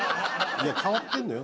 いや変わってんのよ